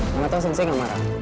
kamu tau sensei gak marah